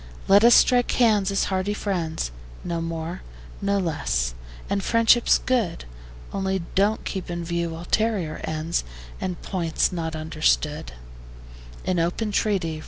Let us strike hands as hearty friends; No more, no less: and friendship's good: Only don't keep in view ulterior ends, And points not understood In open treaty.